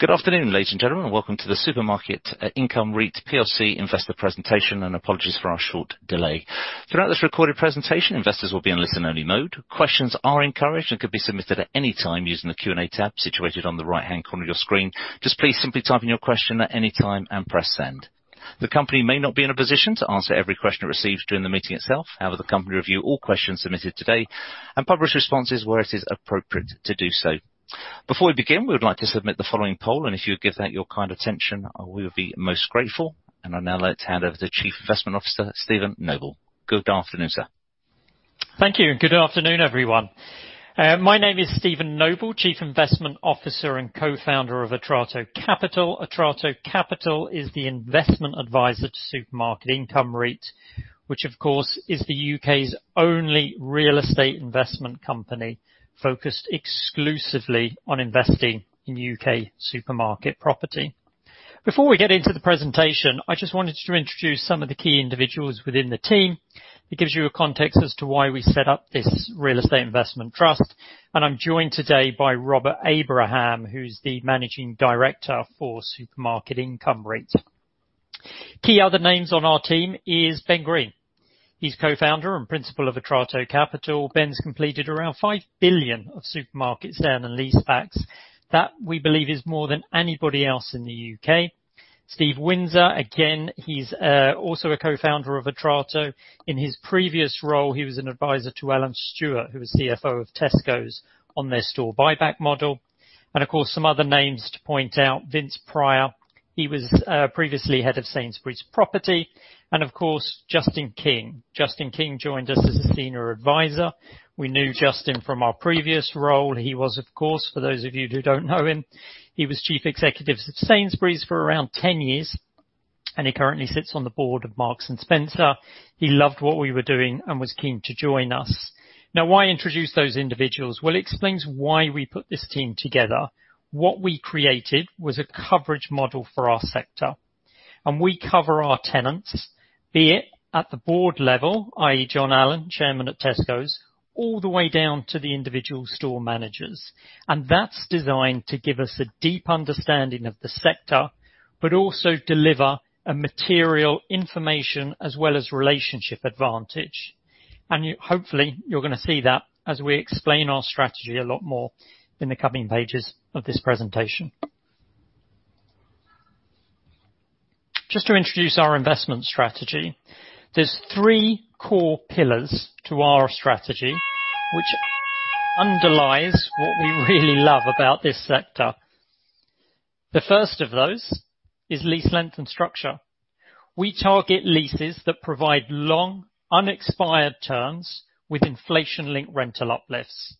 Good afternoon, ladies and gentlemen, and welcome to the Supermarket Income REIT plc Investor presentation, and apologies for our short delay. Throughout this recorded presentation, investors will be in listen-only mode. Questions are encouraged and can be submitted at any time using the Q&A tab situated on the right-hand corner of your screen. Just please simply type in your question at any time and press send. The company may not be in a position to answer every question it receives during the meeting itself. However, the company will review all questions submitted today and publish responses where it is appropriate to do so. Before we begin, we would like to launch the following poll, and if you give it your kind attention, we would be most grateful. Now let's hand over to Chief Investment Officer, Steven Noble. Good afternoon, sir. Thank you. Good afternoon, everyone. My name is Steven Noble, Chief Investment Officer and co-founder of Atrato Capital. Atrato Capital is the investment advisor to Supermarket Income REIT, which of course is the UK's only real estate investment company focused exclusively on investing in UK supermarket property. Before we get into the presentation, I just wanted to introduce some of the key individuals within the team. It gives you a context as to why we set up this real estate investment trust. I'm joined today by Rob Abraham, who's the Managing Director for Supermarket Income REIT. Key other names on our team is Ben Green. He's co-founder and principal of Atrato Capital. Ben's completed around 5 billion of supermarket sale and leasebacks. That, we believe, is more than anybody else in the UK. Steve Windsor, again, he's also a co-founder of Atrato. In his previous role, he was an advisor to Alan Stewart, who was CFO of Tesco on their store buyback model. Of course, some other names to point out, Vince Prior. He was previously Head of Property at Sainsbury's, and of course, Justin King. Justin King joined us as a senior advisor. We knew Justin from our previous role. He was, of course, for those of you who don't know him, he was Chief Executive at Sainsbury's for around 10 years, and he currently sits on the board of Marks & Spencer. He loved what we were doing and was keen to join us. Now, why introduce those individuals? Well, it explains why we put this team together. What we created was a coverage model for our sector, and we cover our tenants, be it at the board level, i.e., John Allan, Chairman at Tesco's, all the way down to the individual store managers. That's designed to give us a deep understanding of the sector, but also deliver a material information as well as relationship advantage. Hopefully, you're gonna see that as we explain our strategy a lot more in the coming pages of this presentation. Just to introduce our investment strategy. There's three core pillars to our strategy which underlies what we really love about this sector. The first of those is lease length and structure. We target leases that provide long, unexpired terms with inflation-linked rental uplifts.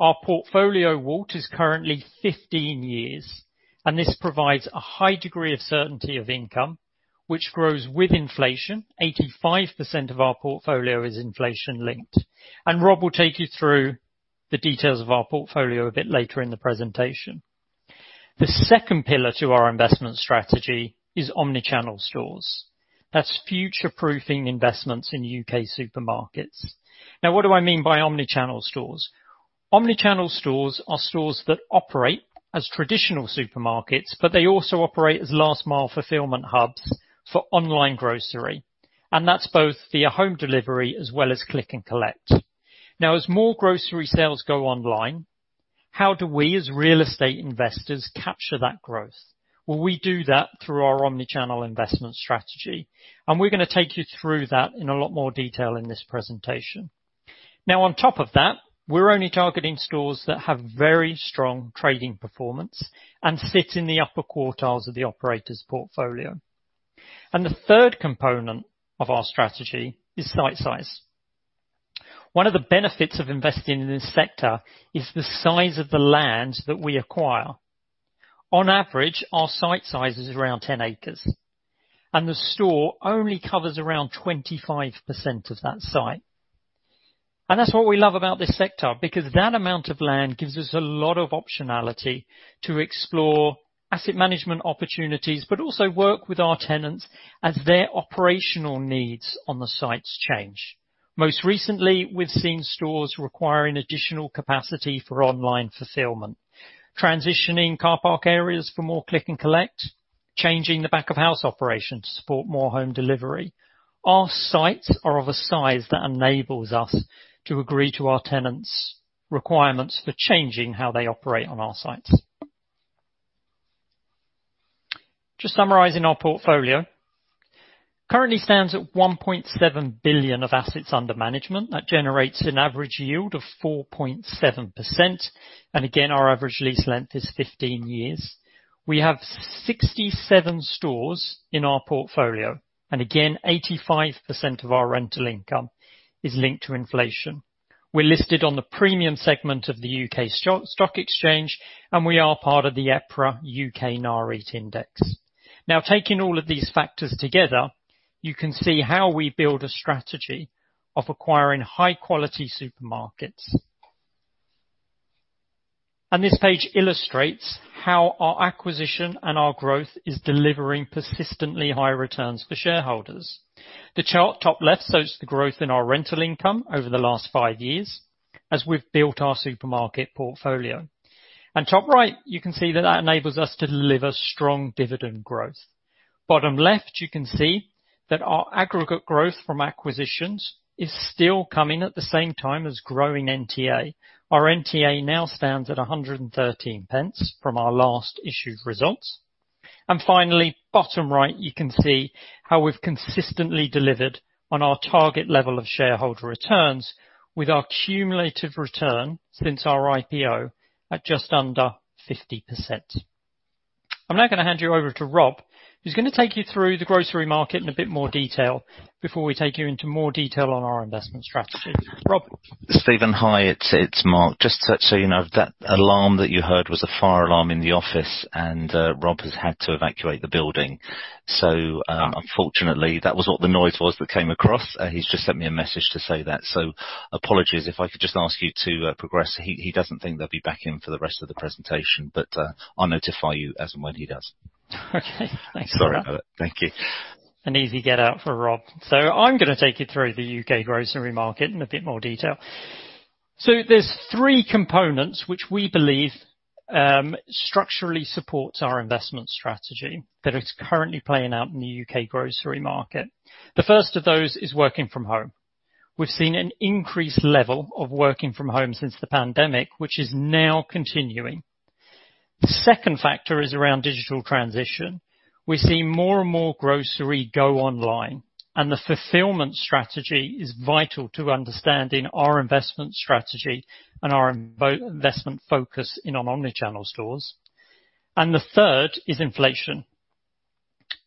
Our portfolio WALT is currently 15 years, and this provides a high degree of certainty of income, which grows with inflation. 85% of our portfolio is inflation-linked. Rob will take you through the details of our portfolio a bit later in the presentation. The second pillar to our investment strategy is omnichannel stores. That's future-proofing investments in UK supermarkets. Now, what do I mean by omnichannel stores? Omnichannel stores are stores that operate as traditional supermarkets, but they also operate as last-mile fulfillment hubs for online grocery. That's both via home delivery as well as Click and Collect. Now, as more grocery sales go online, how do we, as real estate investors, capture that growth? Well, we do that through our omnichannel investment strategy. We're gonna take you through that in a lot more detail in this presentation. Now, on top of that, we're only targeting stores that have very strong trading performance and sit in the upper quartiles of the operator's portfolio. The third component of our strategy is site size. One of the benefits of investing in this sector is the size of the land that we acquire. On average, our site size is around 10 acres, and the store only covers around 25% of that site. That's what we love about this sector, because that amount of land gives us a lot of optionality to explore asset management opportunities, but also work with our tenants as their operational needs on the sites change. Most recently, we've seen stores requiring additional capacity for online fulfillment, transitioning car park areas for more Click and Collect, changing the back-of-house operations to support more home delivery. Our sites are of a size that enables us to agree to our tenants' requirements for changing how they operate on our sites. To summarize in our portfolio. Currently stands at 1.7 billion of assets under management. That generates an average yield of 4.7%, and again, our average lease length is 15 years. We have 67 stores in our portfolio, and again, 85% of our rental income is linked to inflation. We're listed on the premium segment of the London Stock Exchange, and we are part of the FTSE EPRA Nareit index. Now, taking all of these factors together, you can see how we build a strategy of acquiring high-quality supermarkets. This page illustrates how our acquisition and our growth is delivering persistently high returns for shareholders. Top left shows the growth in our rental income over the last five years as we've built our supermarket portfolio. Top right, you can see that that enables us to deliver strong dividend growth. Bottom left, you can see our aggregate growth from acquisitions is still coming at the same time as growing NTA. Our NTA now stands at 113 pence from our last issued results. Finally, bottom right, you can see how we've consistently delivered on our target level of shareholder returns with our cumulative return since our IPO at just under 50%. I'm now gonna hand you over to Rob, who's gonna take you through the grocery market in a bit more detail before we take you into more detail on our investment strategy. Rob? Stephen, hi, it's Mark. Just to let you know, that alarm that you heard was a fire alarm in the office, and Rob has had to evacuate the building. Unfortunately, that was what the noise was that came across. He's just sent me a message to say that. Apologies. If I could just ask you to progress. He doesn't think they'll be back in for the rest of the presentation, but I'll notify you as and when he does. Okay. Thanks a lot. Sorry about it. Thank you. An easy get out for Rob. I'm gonna take you through the UK grocery market in a bit more detail. There's three components which we believe structurally supports our investment strategy that is currently playing out in the UK grocery market. The first of those is working from home. We've seen an increased level of working from home since the pandemic, which is now continuing. The second factor is around digital transition. We're seeing more and more grocery go online, and the fulfillment strategy is vital to understanding our investment strategy and our investment focus on omnichannel stores. The third is inflation.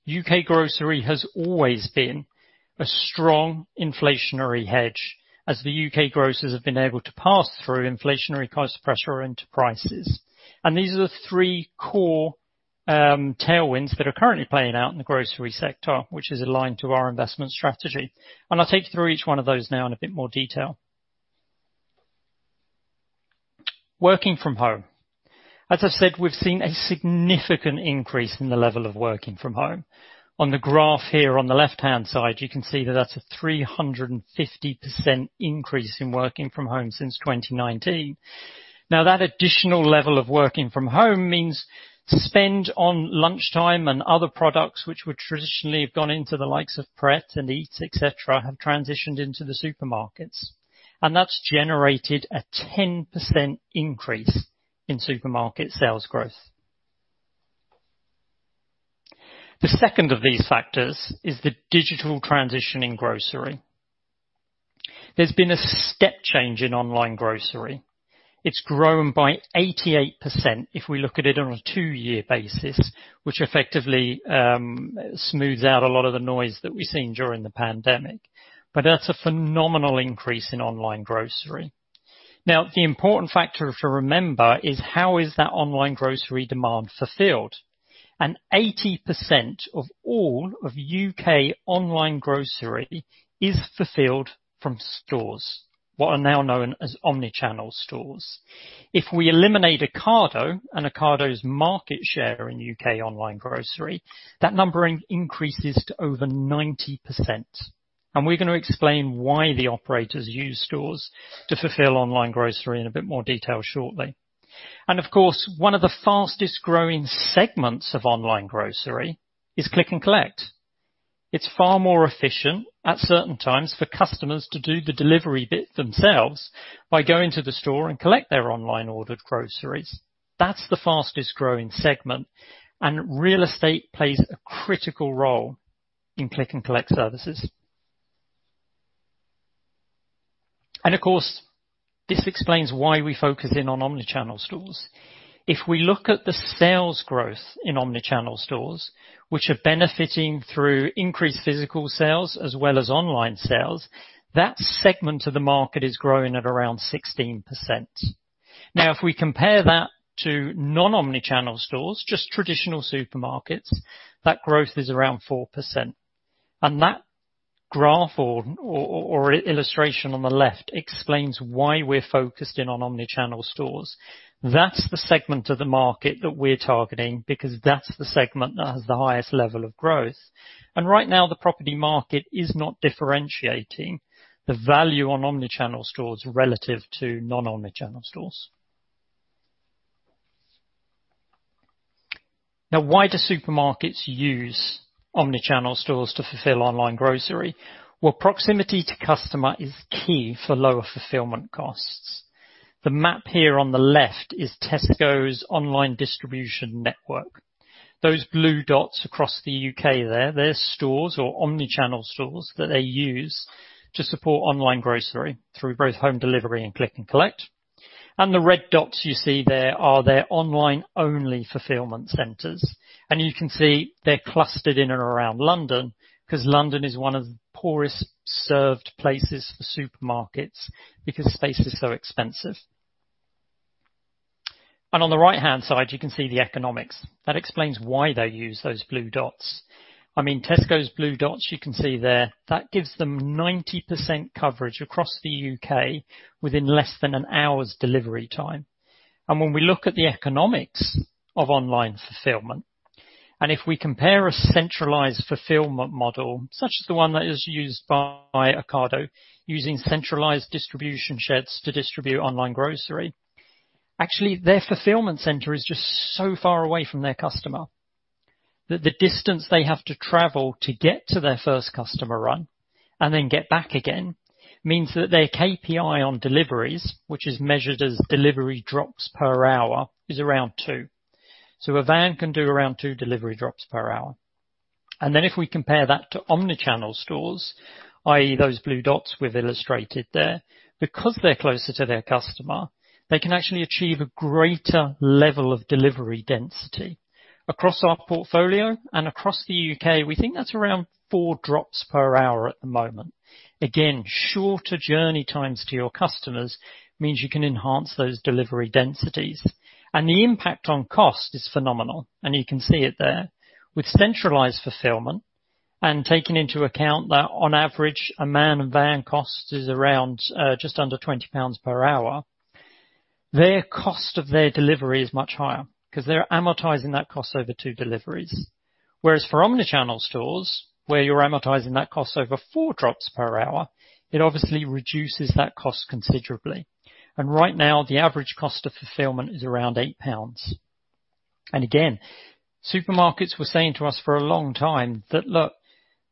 UK grocery has always been a strong inflationary hedge as the UK grocers have been able to pass through inflationary cost pressure into prices. These are the three core tailwinds that are currently playing out in the grocery sector, which is aligned to our investment strategy. I'll take you through each one of those now in a bit more detail. Working from home. As I've said, we've seen a significant increase in the level of working from home. On the graph here on the left-hand side, you can see that that's a 350% increase in working from home since 2019. Now, that additional level of working from home means spend on lunchtime and other products which would traditionally have gone into the likes of Pret and Eat, et cetera, have transitioned into the supermarkets. That's generated a 10% increase in supermarket sales growth. The second of these factors is the digital transition in grocery. There's been a step change in online grocery. It's grown by 88% if we look at it on a two-year basis, which effectively smooths out a lot of the noise that we've seen during the pandemic, but that's a phenomenal increase in online grocery. Now, the important factor to remember is how is that online grocery demand fulfilled? Eighty percent of all of UK online grocery is fulfilled from stores, what are now known as omnichannel stores. If we eliminate Ocado and Ocado's market share in UK online grocery, that numbering increases to over 90%. We're gonna explain why the operators use stores to fulfill online grocery in a bit more detail shortly. Of course, one of the fastest-growing segments of online grocery is Click and Collect. It's far more efficient at certain times for customers to do the delivery bit themselves by going to the store and collect their online ordered groceries. That's the fastest-growing segment, and real estate plays a critical role in Click and Collect services. Of course, this explains why we focus in on omnichannel stores. If we look at the sales growth in omnichannel stores, which are benefiting through increased physical sales as well as online sales, that segment of the market is growing at around 16%. Now, if we compare that to non-omnichannel stores, just traditional supermarkets, that growth is around 4%. That graph or illustration on the left explains why we're focused in on omnichannel stores. That's the segment of the market that we're targeting because that's the segment that has the highest level of growth. Right now, the property market is not differentiating the value on omni-channel stores relative to non-omni-channel stores. Now, why do supermarkets use omni-channel stores to fulfill online grocery? Well, proximity to customer is key for lower fulfillment costs. The map here on the left is Tesco's online distribution network. Those blue dots across the UK there, they're stores or omni-channel stores that they use to support online grocery through both home delivery and Click and Collect. The red dots you see there are their online only fulfillment centers. You can see they're clustered in and around London, 'cause London is one of the poorest served places for supermarkets because space is so expensive. On the right-hand side, you can see the economics. That explains why they use those blue dots. I mean, Tesco's blue dots, you can see there, that gives them 90% coverage across the UK within less than an hour's delivery time. When we look at the economics of online fulfillment, and if we compare a centralized fulfillment model, such as the one that is used by Ocado, using centralized distribution sheds to distribute online grocery. Actually, their fulfillment center is just so far away from their customer that the distance they have to travel to get to their first customer run and then get back again means that their KPI on deliveries, which is measured as delivery drops per hour, is around 2. A van can do around 2 delivery drops per hour. Then if we compare that to omnichannel stores, i.e. those blue dots we've illustrated there, because they're closer to their customer, they can actually achieve a greater level of delivery density. Across our portfolio and across the UK, we think that's around 4 drops per hour at the moment. Again, shorter journey times to your customers means you can enhance those delivery densities. The impact on cost is phenomenal, and you can see it there. With centralized fulfillment, and taking into account that on average a man and van cost is around just under 20 pounds per hour, their cost of their delivery is much higher 'cause they're amortizing that cost over 2 deliveries. Whereas for omnichannel stores, where you're amortizing that cost over 4 drops per hour, it obviously reduces that cost considerably. Right now, the average cost of fulfillment is around 8 pounds. Supermarkets were saying to us for a long time that, "Look,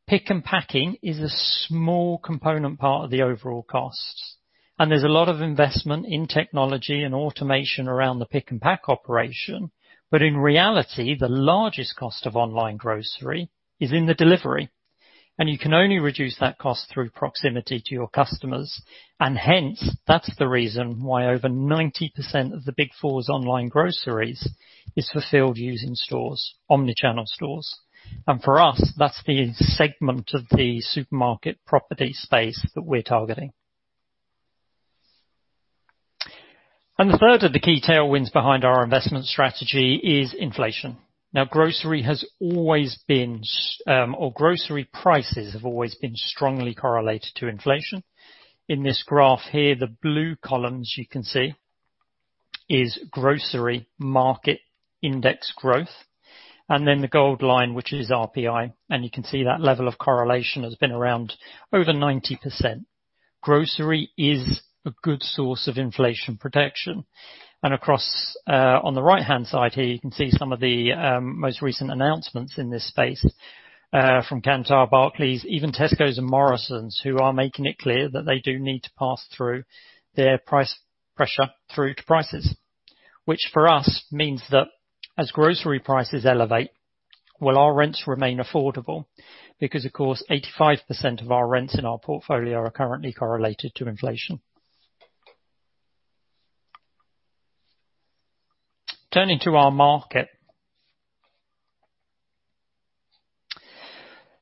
pick and pack is a small component part of the overall costs, and there's a lot of investment in technology and automation around the pick and pack operation, but in reality, the largest cost of online grocery is in the delivery. You can only reduce that cost through proximity to your customers." Hence, that's the reason why over 90% of the Big Four's online groceries is fulfilled using stores, omnichannel stores. For us, that's the segment of the supermarket property space that we're targeting. The third of the key tailwinds behind our investment strategy is inflation. Grocery prices have always been strongly correlated to inflation. In this graph here, the blue columns you can see is grocery market index growth, and then the gold line, which is RPI, and you can see that level of correlation has been around over 90%. Grocery is a good source of inflation protection. Across, on the right-hand side here, you can see some of the most recent announcements in this space, from Kantar, Barclays, even Tesco and Morrisons, who are making it clear that they do need to pass through their price pressure through to prices. Which for us means that as grocery prices elevate, will our rents remain affordable? Because of course, 85% of our rents in our portfolio are currently correlated to inflation. Turning to our market.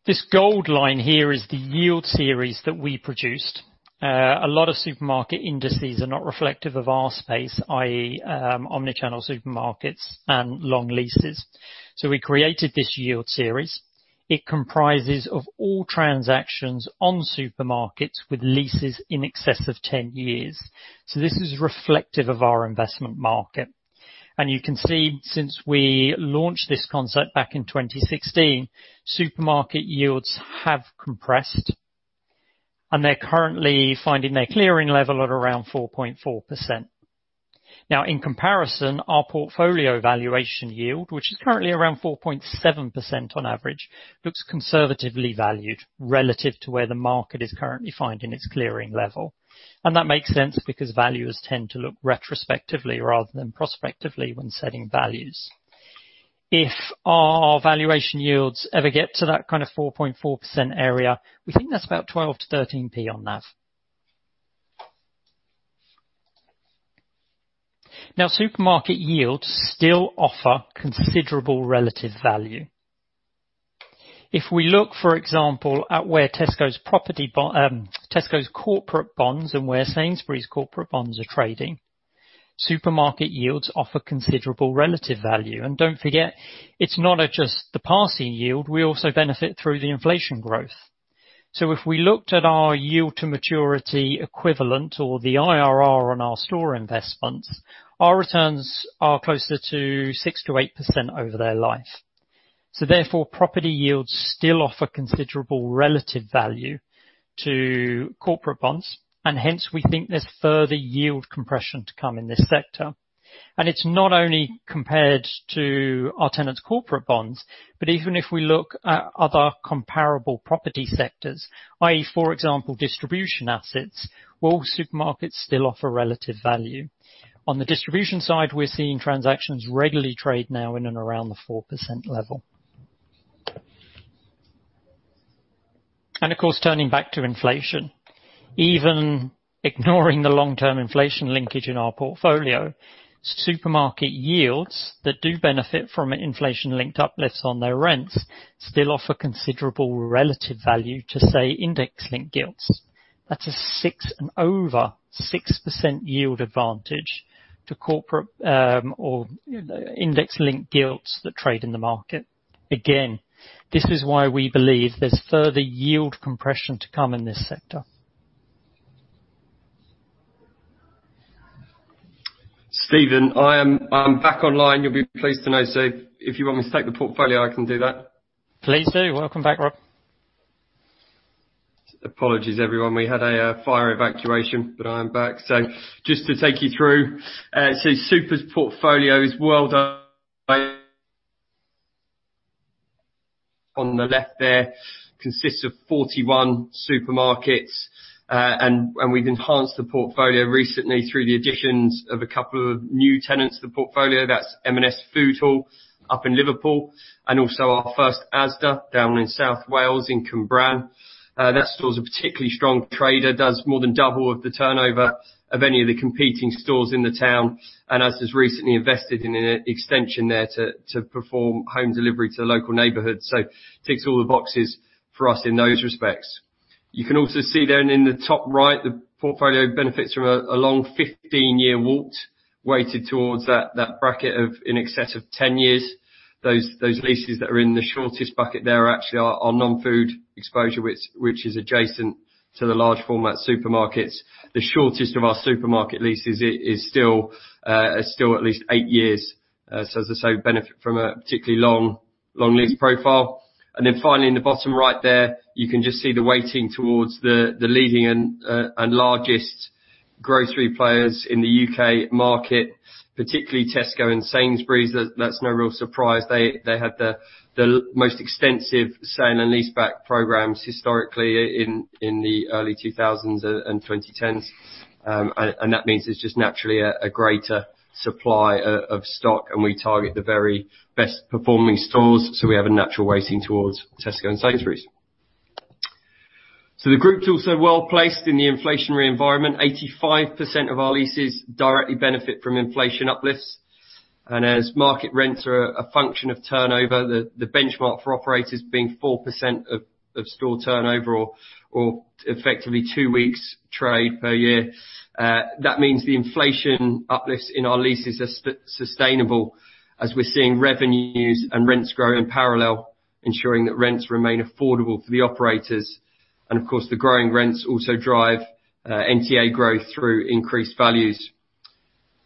This gold line here is the yield series that we produced. A lot of supermarket indices are not reflective of our space, i.e., omnichannel supermarkets and long leases. We created this yield series. It comprises of all transactions on supermarkets with leases in excess of 10 years. This is reflective of our investment market. You can see since we launched this concept back in 2016, supermarket yields have compressed, and they're currently finding their clearing level at around 4.4%. Now in comparison, our portfolio valuation yield, which is currently around 4.7% on average, looks conservatively valued relative to where the market is currently finding its clearing level. That makes sense because values tend to look retrospectively rather than prospectively when setting values. If our valuation yields ever get to that kind of 4.4% area, we think that's about 12-13 P on that. Now, supermarket yields still offer considerable relative value. If we look, for example, at where Tesco's corporate bonds and where Sainsbury's corporate bonds are trading, supermarket yields offer considerable relative value. Don't forget, it's not just the passing yield. We also benefit through the inflation growth. If we looked at our yield to maturity equivalent or the IRR on our store investments, our returns are closer to 6%-8% over their life. Therefore, property yields still offer considerable relative value to corporate bonds, and hence we think there's further yield compression to come in this sector. It's not only compared to our tenants' corporate bonds, but even if we look at other comparable property sectors, i.e., for example, distribution assets, will supermarkets still offer relative value? On the distribution side, we're seeing transactions regularly trade now in and around the 4% level. Of course, turning back to inflation, even ignoring the long-term inflation linkage in our portfolio, supermarket yields that do benefit from inflation-linked uplifts on their rents still offer considerable relative value to, say, index-linked gilts. That's a 6 and over 6% yield advantage to corporate, or index-linked gilts that trade in the market. Again, this is why we believe there's further yield compression to come in this sector. Steven, I'm back online, you'll be pleased to know, Steve. If you want me to take the portfolio, I can do that. Please do. Welcome back, Rob. Apologies everyone, we had a fire evacuation, but I am back. Just to take you through, Supermarket Income REIT's portfolio is on the left there consists of 41 supermarkets. We've enhanced the portfolio recently through the additions of a couple of new tenants to the portfolio. That's M&S Foodhall up in Liverpool, and also our first Asda down in South Wales in Cwmbran. That store's a particularly strong trader. Does more than double of the turnover of any of the competing stores in the town, and Asda's recently invested in an extension there to perform home delivery to the local neighborhood. Ticks all the boxes for us in those respects. You can also see down in the top right, the portfolio benefits from a long 15-year WALT, weighted towards that bracket of in excess of 10 years. Those leases that are in the shortest bucket there actually are non-food exposure, which is adjacent to the large format supermarkets. The shortest of our supermarket leases is still at least eight years, so as I say, benefit from a particularly long lease profile. Then finally, in the bottom right there, you can just see the weighting towards the leading and largest grocery players in the U.K. market, particularly Tesco and Sainsbury's. That's no real surprise. They had the most extensive sale and leaseback programs historically in the early 2000s and 2010s. And that means there's just naturally a greater supply of stock, and we target the very best performing stores, so we have a natural weighting towards Tesco and Sainsbury's. The group's also well-placed in the inflationary environment. 85% of our leases directly benefit from inflation uplifts, and as market rents are a function of turnover, the benchmark for operators being 4% of store turnover or effectively two weeks trade per year. That means the inflation uplifts in our leases are sustainable as we're seeing revenues and rents grow in parallel, ensuring that rents remain affordable for the operators. Of course, the growing rents also drive NTA growth through increased values.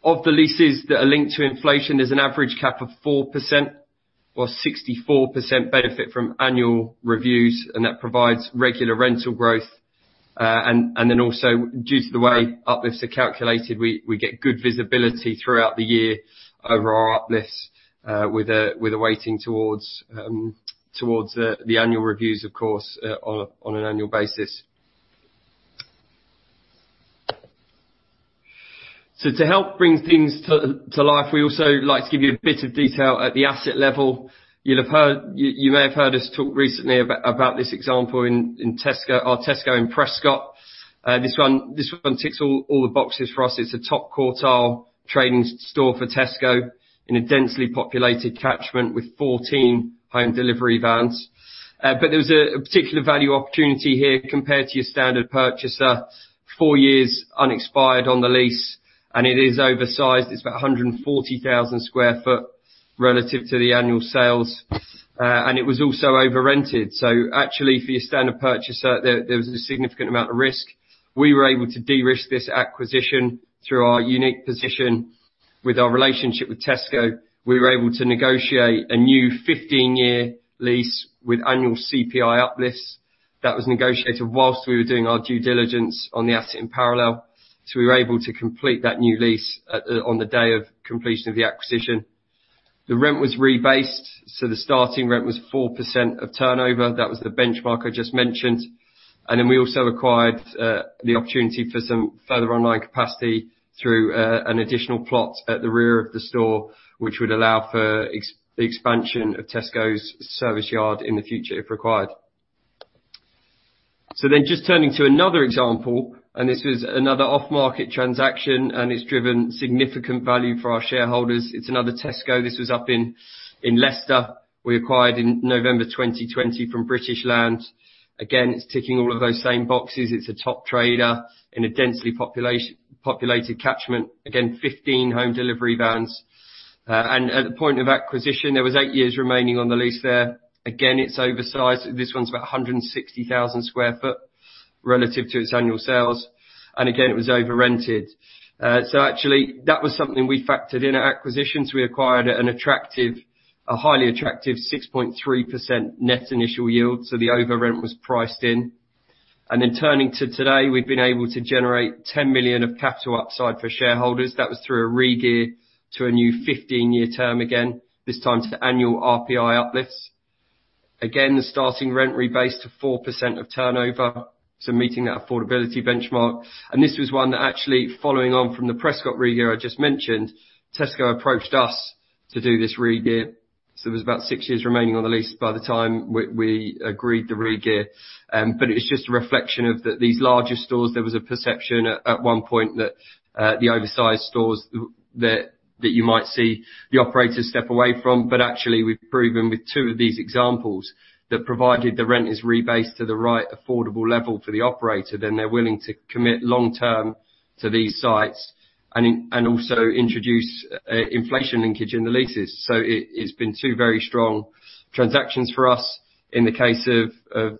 Of the leases that are linked to inflation, there's an average cap of 4%, whilst 64% benefit from annual reviews, and that provides regular rental growth. Due to the way uplifts are calculated, we get good visibility throughout the year over our uplifts, with a weighting towards the annual reviews, of course, on an annual basis. To help bring things to life, we also like to give you a bit of detail at the asset level. You may have heard us talk recently about this example in Tesco, our Tesco in Prescot. This one ticks all the boxes for us. It is a top quartile trading store for Tesco in a densely populated catchment with 14 home delivery vans. There was a particular value opportunity here compared to your standard purchaser. 4 years unexpired on the lease, and it is oversized. It's about 140,000 sq ft relative to the annual sales. It was also over-rented. Actually, for your standard purchaser, there was a significant amount of risk. We were able to de-risk this acquisition through our unique position with our relationship with Tesco. We were able to negotiate a new 15-year lease with annual CPI uplifts. That was negotiated while we were doing our due diligence on the asset in parallel, so we were able to complete that new lease on the day of completion of the acquisition. The rent was rebased, so the starting rent was 4% of turnover. That was the benchmark I just mentioned. We also acquired the opportunity for some further online capacity through an additional plot at the rear of the store, which would allow for expansion of Tesco's service yard in the future if required. Just turning to another example, and this was another off-market transaction, and it's driven significant value for our shareholders. It's another Tesco. This was up in Leicester. We acquired in November 2020 from British Land. Again, it's ticking all of those same boxes. It's a top trader in a densely populated catchment. Again, 15 home delivery vans. And at the point of acquisition, there was 8 years remaining on the lease there. Again, it's oversized. This one's about 160,000 sq ft relative to its annual sales. Again, it was over-rented. Actually, that was something we factored in at acquisitions. We acquired a highly attractive 6.3% net initial yield, so the over-rent was priced in. In turning to today, we've been able to generate 10 million of capital upside for shareholders. That was through a regear to a new 15-year term again, this time to the annual RPI uplifts. Again, the starting rent rebased to 4% of turnover, so meeting that affordability benchmark. This was one that actually following on from the Prescot regear I just mentioned, Tesco approached us to do this regear. There was about 6 years remaining on the lease by the time we agreed the regear. It was just a reflection of that these larger stores, there was a perception at one point that the oversized stores that you might see the operators step away from. Actually, we've proven with two of these examples that provided the rent is rebased to the right affordable level for the operator, then they're willing to commit long-term to these sites and also introduce inflation linkage in the leases. It's been two very strong transactions for us. In the case of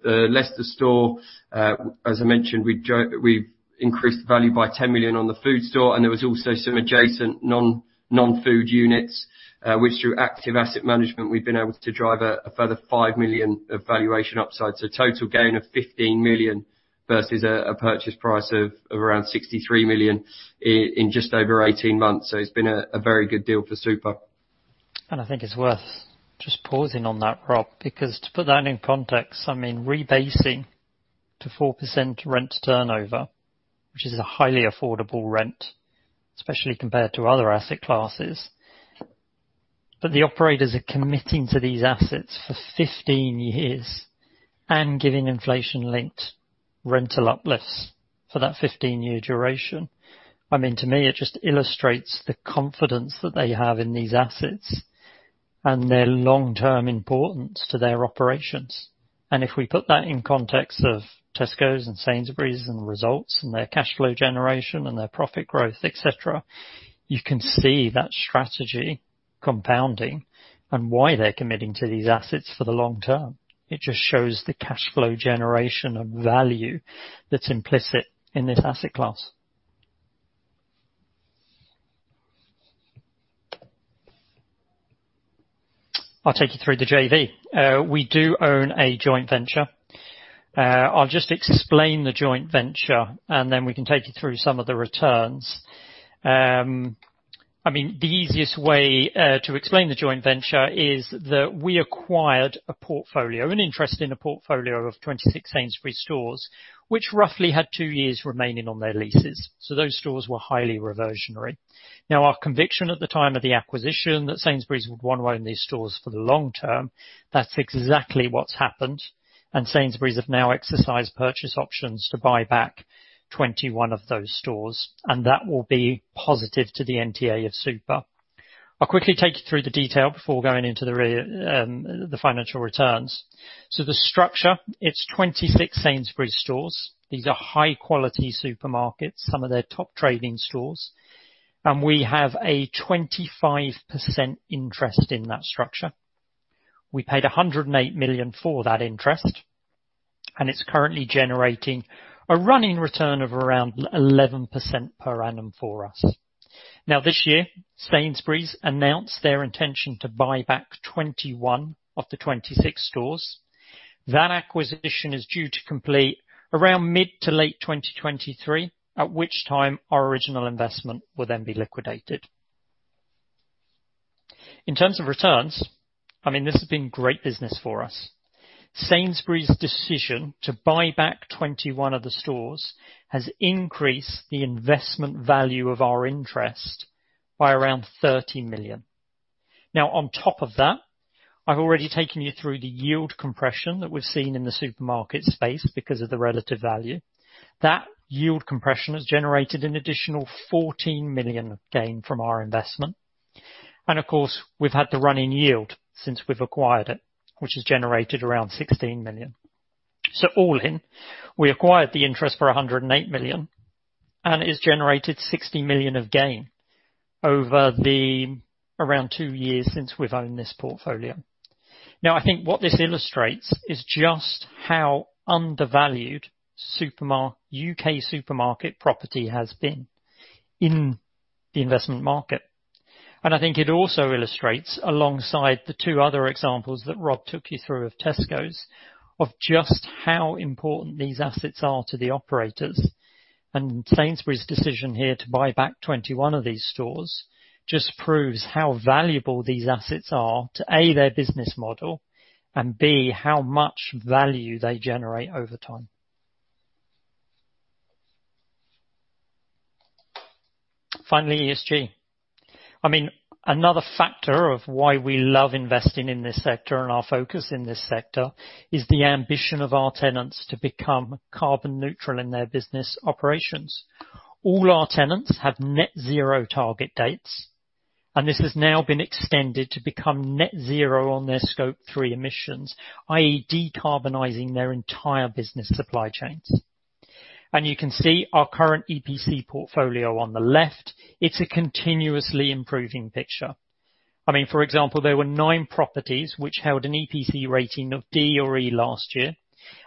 the Leicester store, as I mentioned, we've increased the value by 10 million on the food store, and there was also some adjacent non-food units, which through active asset management, we've been able to drive a further 5 million of valuation upside. Total gain of 15 million. Versus a purchase price of around 63 million in just over 18 months. It's been a very good deal for Super. I think it's worth just pausing on that, Rob, because to put that in context, I mean, rebasing to 4% rent turnover, which is a highly affordable rent, especially compared to other asset classes, but the operators are committing to these assets for 15 years and giving inflation-linked rental uplifts for that 15-year duration. I mean, to me, it just illustrates the confidence that they have in these assets and their long-term importance to their operations. If we put that in context of Tesco's and Sainsbury's and the results and their cash flow generation and their profit growth, et cetera, you can see that strategy compounding and why they're committing to these assets for the long term. It just shows the cash flow generation of value that's implicit in this asset class. I'll take you through the JV. We do own a joint venture. I'll just explain the joint venture, and then we can take you through some of the returns. I mean, the easiest way to explain the joint venture is that we acquired a portfolio, an interest in a portfolio of 26 Sainsbury's stores, which roughly had 2 years remaining on their leases. Those stores were highly reversionary. Now, our conviction at the time of the acquisition that Sainsbury's would wanna own these stores for the long term, that's exactly what's happened, and Sainsbury's have now exercised purchase options to buy back 21 of those stores, and that will be positive to the NTA of Super. I'll quickly take you through the detail before going into the financial returns. The structure, it's 26 Sainsbury's stores. These are high quality supermarkets, some of their top trading stores. We have a 25% interest in that structure. We paid 108 million for that interest, and it's currently generating a running return of around 11% per annum for us. Now, this year, Sainsbury's announced their intention to buy back 21 of the 26 stores. That acquisition is due to complete around mid to late 2023, at which time our original investment will then be liquidated. In terms of returns, I mean, this has been great business for us. Sainsbury's decision to buy back 21 of the stores has increased the investment value of our interest by around 30 million. Now, on top of that, I've already taken you through the yield compression that we've seen in the supermarket space because of the relative value. That yield compression has generated an additional 14 million gain from our investment. Of course, we've had the running yield since we've acquired it, which has generated around 16 million. All in, we acquired the interest for 108 million, and it's generated 60 million of gain over the around 2 years since we've owned this portfolio. Now, I think what this illustrates is just how undervalued UK supermarket property has been in the investment market. I think it also illustrates, alongside the two other examples that Rob took you through of Tesco's, of just how important these assets are to the operators. Sainsbury's decision here to buy back 21 of these stores just proves how valuable these assets are to, A, their business model, and B, how much value they generate over time. Finally, ESG. I mean, another factor of why we love investing in this sector and our focus in this sector is the ambition of our tenants to become carbon neutral in their business operations. All our tenants have net zero target dates, and this has now been extended to become net zero on their Scope 3 emissions, i.e., decarbonizing their entire business supply chains. You can see our current EPC portfolio on the left. It's a continuously improving picture. I mean, for example, there were 9 properties which held an EPC rating of D or E last year,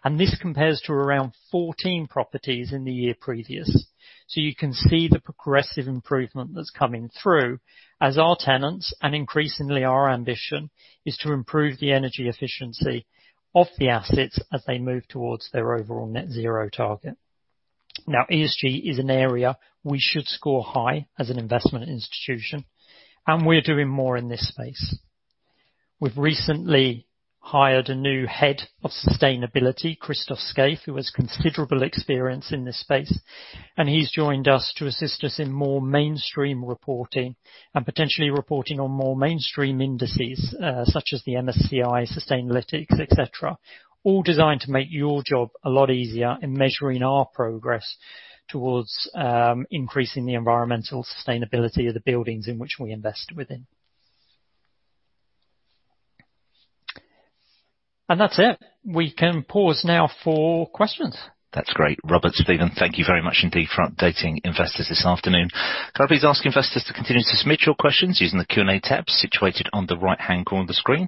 and this compares to around 14 properties in the year previous. You can see the progressive improvement that's coming through as our tenants, and increasingly our ambition, is to improve the energy efficiency of the assets as they move towards their overall net zero target. Now, ESG is an area we should score high as an investment institution, and we're doing more in this space. We've recently hired a new Head of Sustainability, Christoph Scaife, who has considerable experience in this space, and he's joined us to assist us in more mainstream reporting and potentially reporting on more mainstream indices, such as the MSCI, Sustainalytics, et cetera, all designed to make your job a lot easier in measuring our progress towards increasing the environmental sustainability of the buildings in which we invest within. That's it. We can pause now for questions. That's great. Robert, Stephen, thank you very much indeed for updating investors this afternoon. Can I please ask investors to continue to submit your questions using the Q&A tab situated on the right-hand corner of the screen?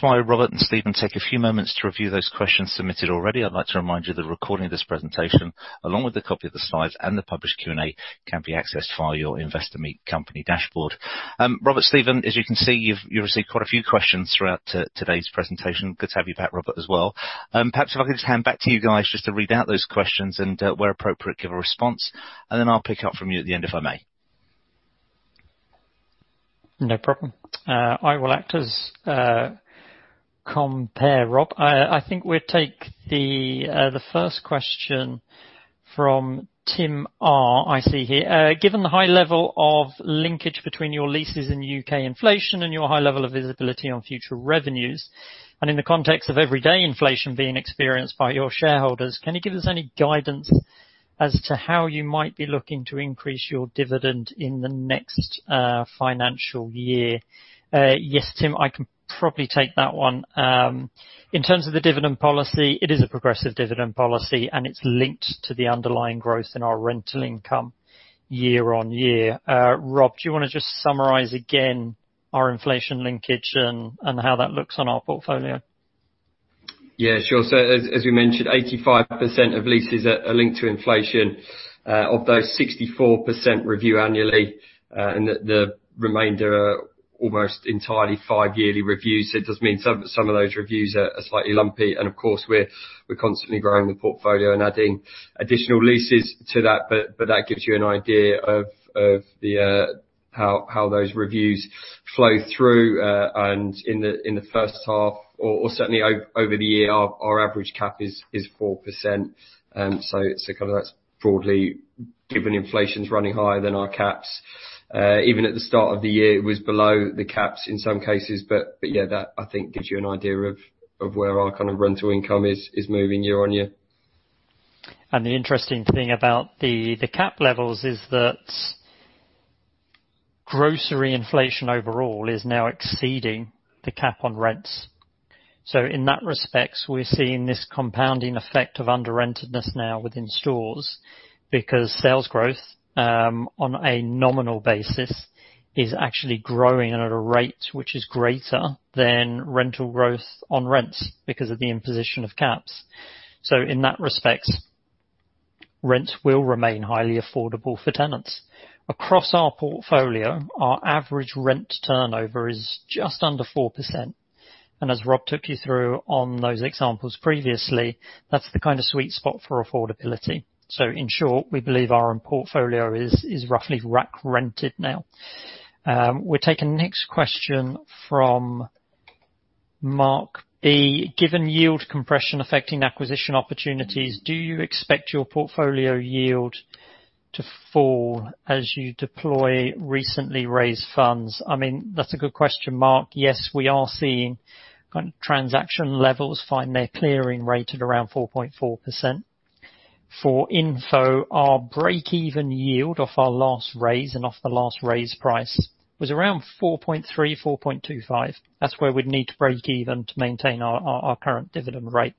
While Robert and Stephen take a few moments to review those questions submitted already, I'd like to remind you that a recording of this presentation, along with a copy of the slides and the published Q&A, can be accessed via your Investor Meet Company dashboard. Robert, Stephen, as you can see, you've received quite a few questions throughout today's presentation. Good to have you back, Robert, as well. Perhaps if I could just hand back to you guys just to read out those questions and, where appropriate, give a response. Then I'll pick up from you at the end, if I may. No problem. I will act as chair, Rob. I think we'll take the first question from Tim R. I see here. Given the high level of linkage between your leases and UK inflation and your high level of visibility on future revenues, and in the context of everyday inflation being experienced by your shareholders, can you give us any guidance as to how you might be looking to increase your dividend in the next financial year? Yes, Tim, I can probably take that one. In terms of the dividend policy, it is a progressive dividend policy, and it's linked to the underlying growth in our rental income year on year. Rob, do you wanna just summarize again our inflation linkage and how that looks on our portfolio? Yeah, sure. As we mentioned, 85% of leases are linked to inflation. Of those 64% review annually, and the remainder are almost entirely 5-yearly reviews. It does mean some of those reviews are slightly lumpy. Of course, we're constantly growing the portfolio and adding additional leases to that, but that gives you an idea of how those reviews flow through. In the first half or certainly over the year, our average cap is 4%. So kind of that's broadly given inflation is running higher than our caps. Even at the start of the year, it was below the caps in some cases. Yeah, that I think gives you an idea of where our kind of rental income is moving year on year. The interesting thing about the cap levels is that grocery inflation overall is now exceeding the cap on rents. In that respect, we're seeing this compounding effect of under-rentedness now within stores because sales growth on a nominal basis is actually growing at a rate which is greater than rental growth on rents because of the imposition of caps. In that respect, rents will remain highly affordable for tenants. Across our portfolio, our average rent turnover is just under 4%. As Rob took you through on those examples previously, that's the kinda sweet spot for affordability. In short, we believe our own portfolio is roughly rack rented now. We're taking next question from Mark B. Given yield compression affecting acquisition opportunities, do you expect your portfolio yield to fall as you deploy recently raised funds? I mean, that's a good question, Mark. Yes, we are seeing transaction levels find their clearing rate at around 4.4%. For info, our break-even yield off our last raise and off the last raise price was around 4.3, 4.25. That's where we'd need to break even to maintain our current dividend rate.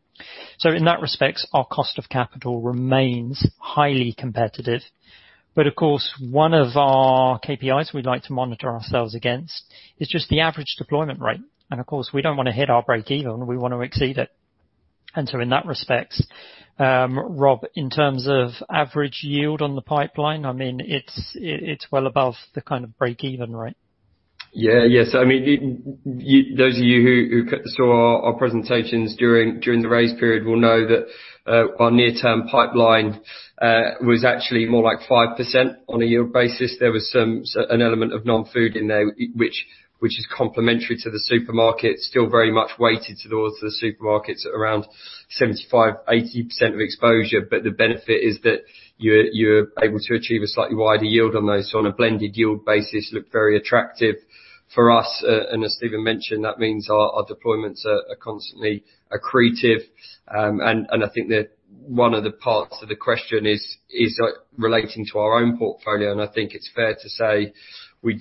In that respect, our cost of capital remains highly competitive. Of course, one of our KPIs we'd like to monitor ourselves against is just the average deployment rate. Of course, we don't wanna hit our break even, we wanna exceed it. In that respect, Rob, in terms of average yield on the pipeline, I mean, it's well above the kind of break even, right? Yeah. Yes. I mean, those of you who saw our presentations during the raise period will know that our near-term pipeline was actually more like 5% on a year basis. There was an element of non-food in there which is complementary to the supermarket, still very much weighted towards the supermarkets at around 75%-80% of exposure. The benefit is that you're able to achieve a slightly wider yield on those. On a blended yield basis looks very attractive for us. As Stephen mentioned, that means our deployments are constantly accretive. I think that one of the parts of the question is relating to our own portfolio, and I think it's fair to say we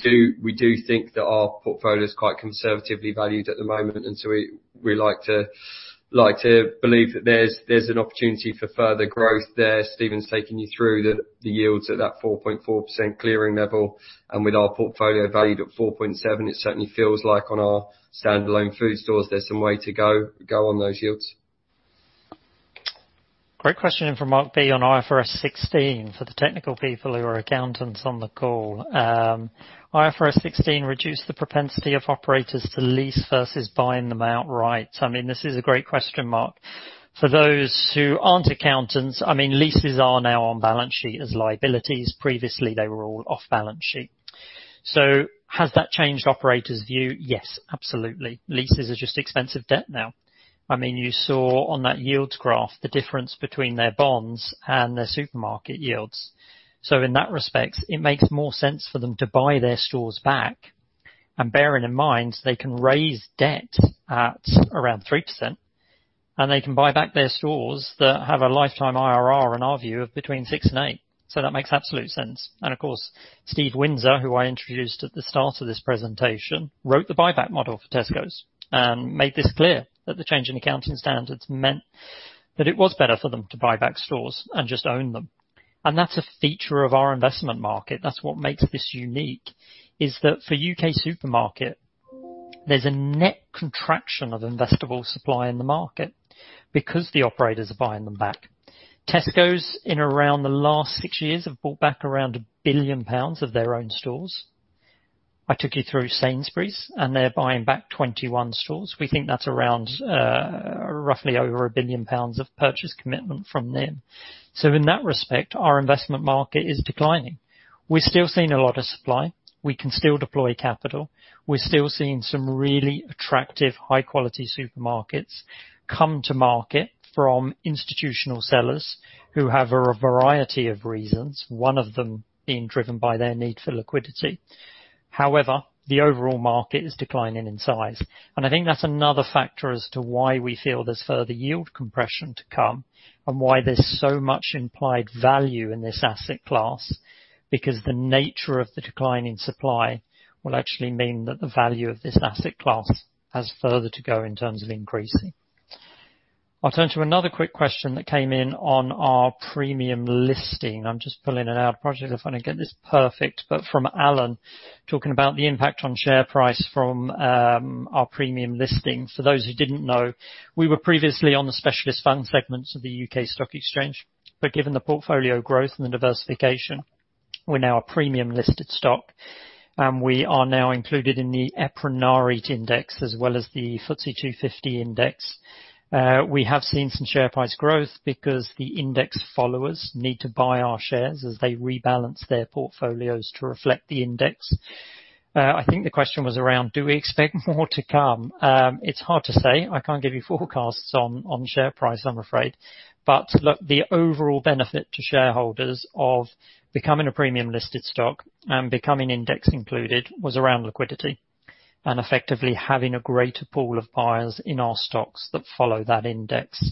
do think that our portfolio is quite conservatively valued at the moment, and so we like to believe that there's an opportunity for further growth there. Steven's taken you through the yields at that 4.4% clearing level, and with our portfolio valued at 4.7, it certainly feels like on our standalone food stores, there's some way to go on those yields. Great question from Mark B. on IFRS 16 for the technical people who are accountants on the call. IFRS 16 reduced the propensity of operators to lease versus buying them outright. I mean, this is a great question, Mark. For those who aren't accountants, I mean, leases are now on balance sheet as liabilities. Previously, they were all off balance sheet. Has that changed operators' view? Yes, absolutely. Leases are just expensive debt now. I mean, you saw on that yields graph the difference between their bonds and their supermarket yields. In that respect, it makes more sense for them to buy their stores back and bearing in mind they can raise debt at around 3%, and they can buy back their stores that have a lifetime IRR in our view of between 6% and 8%. That makes absolute sense. Of course, Steve Windsor, who I introduced at the start of this presentation, wrote the buyback model for Tesco's and made this clear that the change in accounting standards meant that it was better for them to buy back stores and just own them. That's a feature of our investment market. That's what makes this unique, is that for UK supermarkets, there's a net contraction of investable supply in the market because the operators are buying them back. Tesco's in around the last 6 years have bought back around 1 billion pounds of their own stores. I took you through Sainsbury's, and they're buying back 21 stores. We think that's around, roughly over 1 billion pounds of purchase commitment from them. In that respect, our investment market is declining. We're still seeing a lot of supply. We can still deploy capital. We're still seeing some really attractive high-quality supermarkets come to market from institutional sellers who have a variety of reasons, one of them being driven by their need for liquidity. However, the overall market is declining in size, and I think that's another factor as to why we feel there's further yield compression to come and why there's so much implied value in this asset class because the nature of the decline in supply will actually mean that the value of this asset class has further to go in terms of increasing. I'll turn to another quick question that came in on our premium listing. I'm just pulling it out. Apologies if I don't get this perfect, but from Alan, talking about the impact on share price from our premium listing. For those who didn't know, we were previously on the specialist fund segments of the London Stock Exchange. Given the portfolio growth and the diversification, we're now a premium-listed stock, and we are now included in the EPRA NAREIT index as well as the FTSE 250 index. We have seen some share price growth because the index followers need to buy our shares as they rebalance their portfolios to reflect the index. I think the question was around, do we expect more to come? It's hard to say. I can't give you forecasts on share price, I'm afraid. Look, the overall benefit to shareholders of becoming a premium-listed stock and becoming index included was around liquidity and effectively having a greater pool of buyers in our stocks that follow that index.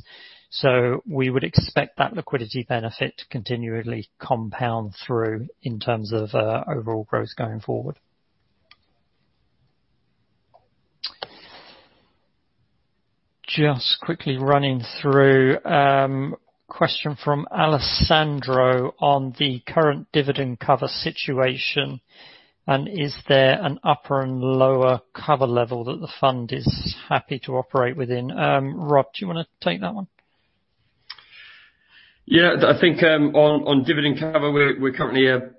We would expect that liquidity benefit to continually compound through in terms of overall growth going forward. Just quickly running through, question from Alessandro on the current dividend cover situation. Is there an upper and lower cover level that the fund is happy to operate within? Rob, do you wanna take that one? Yeah, I think on dividend cover, we're currently over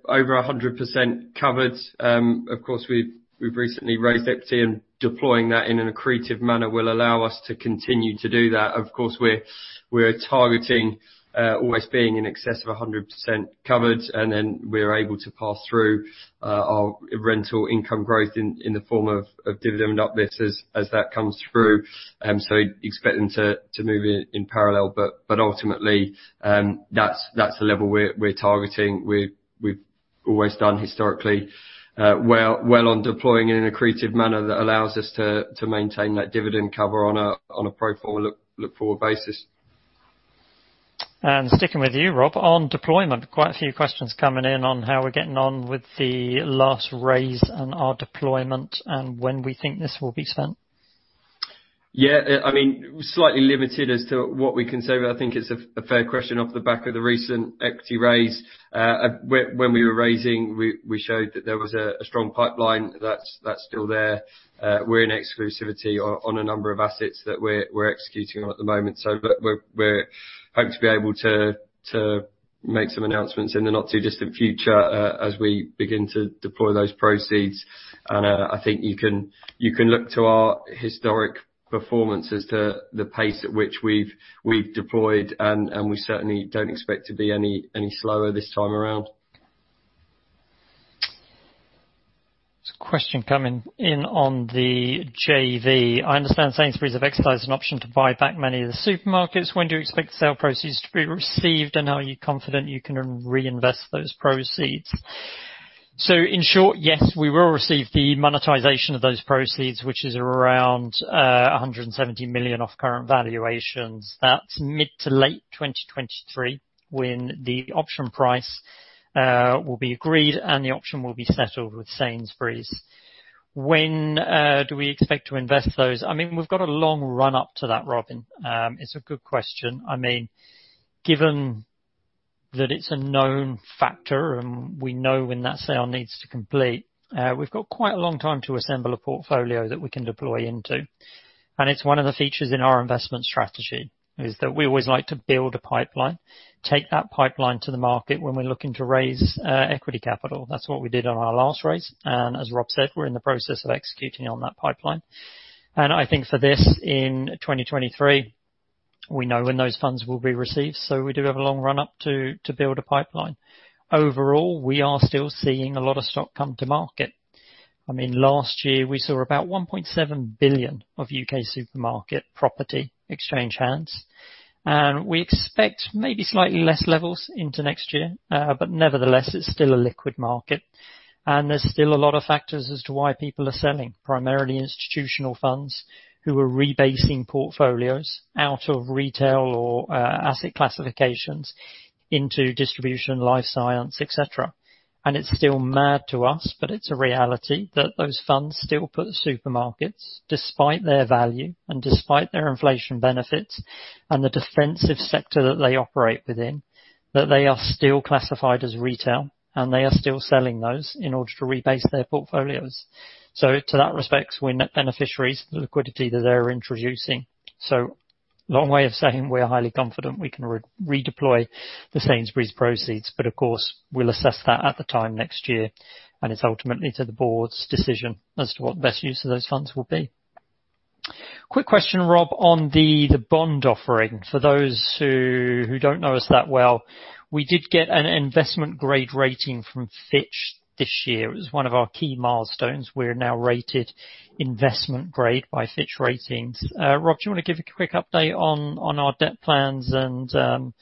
100% covered. Of course, we've recently raised equity and deploying that in an accretive manner will allow us to continue to do that. Of course, we're targeting always being in excess of 100% covered, and then we're able to pass through our rental income growth in the form of dividend uplifts as that comes through. Expecting to move in parallel, but ultimately, that's the level we're targeting. We've always done historically well on deploying in an accretive manner that allows us to maintain that dividend cover on a forward-looking basis. Sticking with you, Rob, on deployment, quite a few questions coming in on how we're getting on with the last raise and our deployment and when we think this will be spent. Yeah, I mean, slightly limited as to what we can say, but I think it's a fair question off the back of the recent equity raise. When we were raising, we showed that there was a strong pipeline that's still there. We're in exclusivity on a number of assets that we're executing on at the moment. But we're hoping to be able to make some announcements in the not-too-distant future, as we begin to deploy those proceeds. I think you can look to our historic performance as to the pace at which we've deployed, and we certainly don't expect to be any slower this time around. There's a question coming in on the JV. I understand Sainsbury's have exercised an option to buy back many of the supermarkets. When do you expect the sale proceeds to be received, and are you confident you can reinvest those proceeds? In short, yes, we will receive the monetization of those proceeds, which is around 170 million of current valuations. That's mid- to late 2023, when the option price will be agreed, and the option will be settled with Sainsbury's. When do we expect to invest those? I mean, we've got a long run up to that, Rob. It's a good question. I mean, given that it's a known factor and we know when that sale needs to complete, we've got quite a long time to assemble a portfolio that we can deploy into. It's one of the features in our investment strategy, is that we always like to build a pipeline, take that pipeline to the market when we're looking to raise equity capital. That's what we did on our last raise, and as Rob said, we're in the process of executing on that pipeline. I think for this in 2023, we know when those funds will be received, so we do have a long run up to build a pipeline. Overall, we are still seeing a lot of stock come to market. I mean, last year, we saw about 1.7 billion of UK supermarket property exchange hands, and we expect maybe slightly less levels into next year. Nevertheless, it's still a liquid market, and there's still a lot of factors as to why people are selling, primarily institutional funds who are rebasing portfolios out of retail or asset classifications into distribution, life science, et cetera. It's still mad to us, but it's a reality that those funds still put supermarkets despite their value and despite their inflation benefits and the defensive sector that they operate within, that they are still classified as retail, and they are still selling those in order to rebase their portfolios. To that respect, we're net beneficiaries of the liquidity that they're introducing. Long way of saying we are highly confident we can redeploy the Sainsbury's proceeds, but of course, we'll assess that at the time next year, and it's ultimately to the board's decision as to what best use of those funds will be. Quick question, Rob, on the bond offering. For those who don't know us that well, we did get an investment grade rating from Fitch this year. It was one of our key milestones. We're now rated investment grade by Fitch Ratings. Rob, do you wanna give a quick update on our debt plans and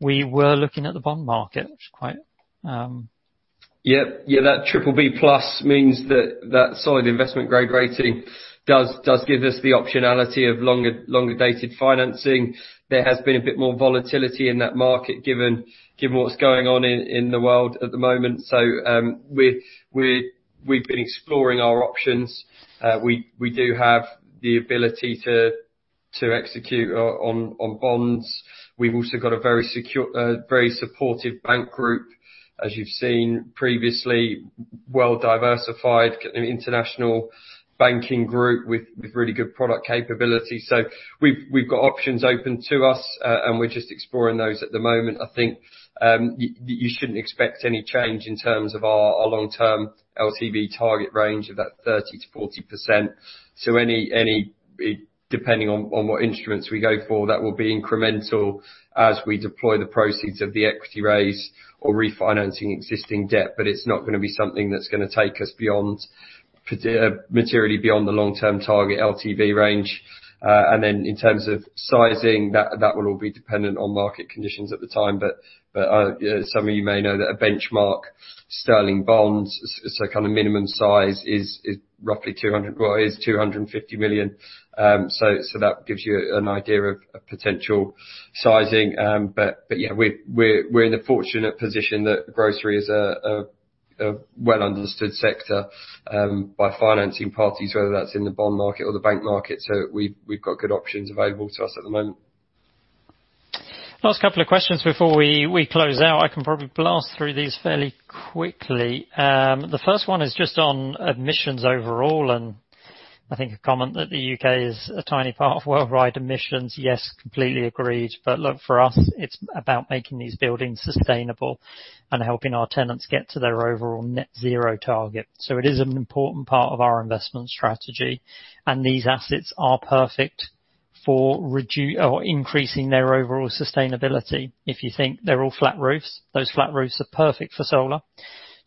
we were looking at the bond market, which is quite. Yeah, that BBB+ means that solid investment grade rating does give us the optionality of longer-dated financing. There has been a bit more volatility in that market, given what's going on in the world at the moment. We've been exploring our options. We do have the ability to execute on bonds. We've also got a very supportive bank group, as you've seen previously, well-diversified, an international banking group with really good product capability. We've got options open to us, and we're just exploring those at the moment. I think you shouldn't expect any change in terms of our long-term LTV target range of that 30%-40%. Any Depending on what instruments we go for, that will be incremental as we deploy the proceeds of the equity raise or refinancing existing debt, but it's not gonna be something that's gonna take us materially beyond the long-term target LTV range. And then in terms of sizing, that will all be dependent on market conditions at the time. Some of you may know that a benchmark sterling bonds, so kind of minimum size is roughly two hundred. Well, it is 250 million. So that gives you an idea of potential sizing. But yeah, we're in a fortunate position that grocery is a well-understood sector by financing parties, whether that's in the bond market or the bank market. We've got good options available to us at the moment. Last couple of questions before we close out. I can probably blast through these fairly quickly. The first one is just on emissions overall, and I think a comment that the UK is a tiny part of worldwide emissions. Yes, completely agreed. Look, for us, it's about making these buildings sustainable and helping our tenants get to their overall net zero target. It is an important part of our investment strategy, and these assets are perfect for reducing or increasing their overall sustainability. If you think, they're all flat roofs. Those flat roofs are perfect for solar.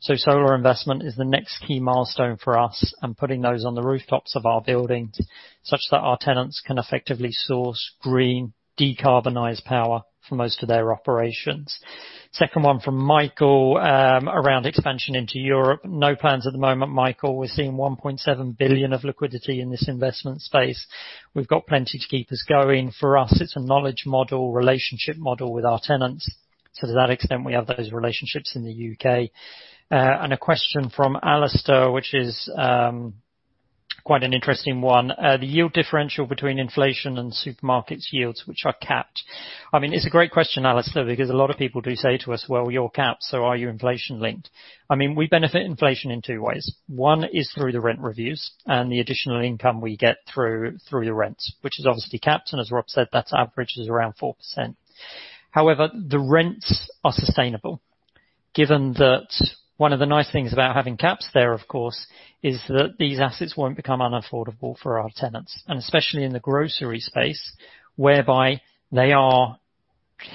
Solar investment is the next key milestone for us and putting those on the rooftops of our buildings such that our tenants can effectively source green decarbonized power for most of their operations. Second one from Michael, around expansion into Europe. No plans at the moment, Michael. We're seeing 1.7 billion of liquidity in this investment space. We've got plenty to keep us going. For us, it's a knowledge model, relationship model with our tenants. To that extent, we have those relationships in the UK. A question from Alistair, which is quite an interesting one. The yield differential between inflation and supermarkets yields, which are capped. I mean, it's a great question, Alistair, because a lot of people do say to us, "Well, you're capped, so are you inflation linked?" I mean, we benefit inflation in two ways. One is through the rent reviews and the additional income we get through the rents, which is obviously capped, and as Rob said, that averages around 4%. However, the rents are sustainable. Given that one of the nice things about having caps there, of course, is that these assets won't become unaffordable for our tenants, and especially in the grocery space, whereby they are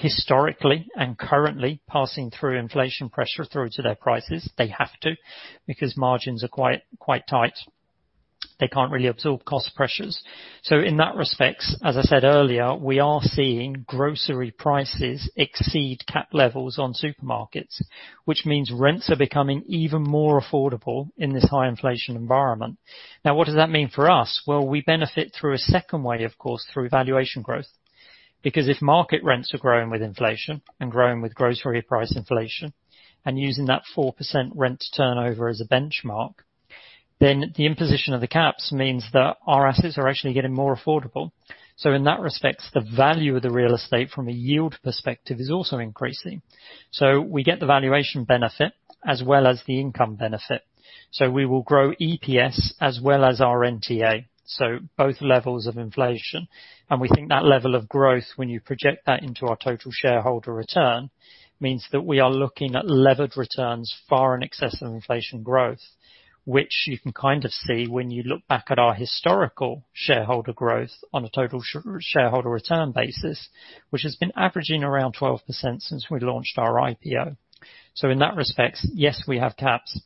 historically and currently passing through inflation pressure through to their prices. They have to, because margins are quite tight. They can't really absorb cost pressures. In that respect, as I said earlier, we are seeing grocery prices exceed cap levels on supermarkets, which means rents are becoming even more affordable in this high inflation environment. Now, what does that mean for us? Well, we benefit through a second way, of course, through valuation growth. Because if market rents are growing with inflation and growing with grocery price inflation and using that 4% rent turnover as a benchmark, then the imposition of the caps means that our assets are actually getting more affordable. In that respect, the value of the real estate from a yield perspective is also increasing. We get the valuation benefit as well as the income benefit. We will grow EPS as well as our NTA, so both levels of inflation. We think that level of growth, when you project that into our total shareholder return, means that we are looking at levered returns far in excess of inflation growth, which you can kind of see when you look back at our historical shareholder growth on a total shareholder return basis, which has been averaging around 12% since we launched our IPO. In that respect, yes, we have caps,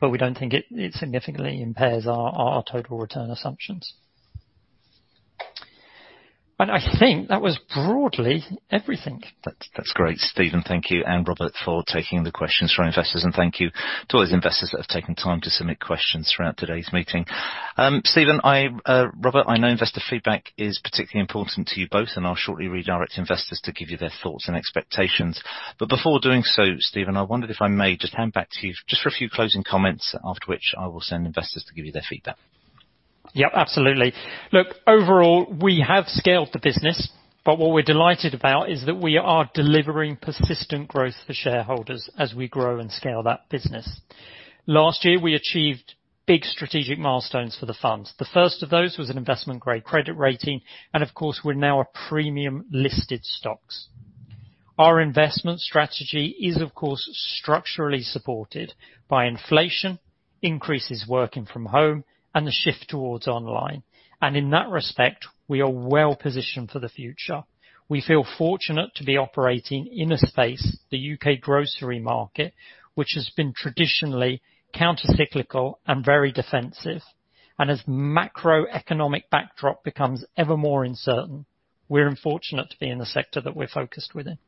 but we don't think it significantly impairs our total return assumptions. I think that was broadly everything. That's great, Stephen. Thank you and Robert for taking the questions from our investors. Thank you to all those investors that have taken time to submit questions throughout today's meeting. Stephen, Robert, I know investor feedback is particularly important to you both, and I'll shortly redirect investors to give you their thoughts and expectations. Before doing so, Stephen, I wondered if I may just hand back to you just for a few closing comments, after which I will send investors to give you their feedback. Yep, absolutely. Look, overall, we have scaled the business, but what we're delighted about is that we are delivering persistent growth for shareholders as we grow and scale that business. Last year, we achieved big strategic milestones for the funds. The first of those was an investment-grade credit rating, and of course, we're now a premium-listed stocks. Our investment strategy is, of course, structurally supported by inflation, increases working from home, and the shift towards online. And in that respect, we are well positioned for the future. We feel fortunate to be operating in a space, the UK grocery market, which has been traditionally countercyclical and very defensive. As macroeconomic backdrop becomes ever more uncertain, we're fortunate to be in the sector that we're focused within.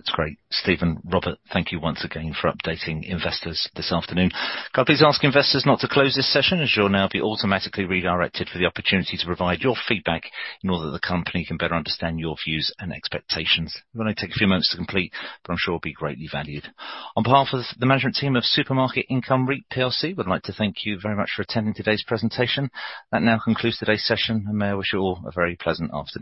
That's great. Steven, Robert, thank you once again for updating investors this afternoon. Could I please ask investors not to close this session, as you'll now be automatically redirected for the opportunity to provide your feedback in order that the company can better understand your views and expectations. It will only take a few moments to complete, but I'm sure it will be greatly valued. On behalf of the management team of Supermarket Income REIT PLC, we'd like to thank you very much for attending today's presentation. That now concludes today's session. I may wish you all a very pleasant afternoon.